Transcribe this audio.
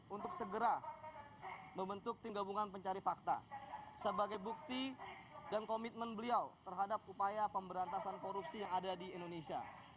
untuk segera membentuk tim gabungan pencari fakta sebagai bukti dan komitmen beliau terhadap upaya pemberantasan korupsi yang ada di indonesia